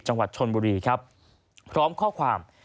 จังหวัดชนบุรีครับพร้อมข้อความ